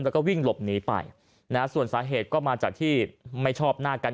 แล้วก็วิ่งลบหนีไปส่วนสาเหตุก็มาจากที่ไม่ชอบหน้ากันอยู่แล้ว